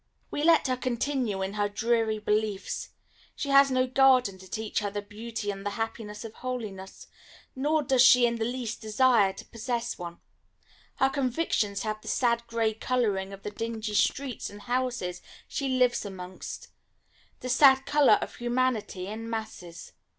Well, let her continue in her dreary beliefs; she has no garden to teach her the beauty and the happiness of holiness, nor does she in the least desire to possess one; her convictions have the sad gray colouring of the dingy streets and houses she lives amongst the sad colour of humanity in masses.